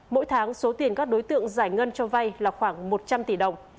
mỗi tháng số tiền các đối tượng giải ngân cho vay là khoảng một trăm linh tỷ đồng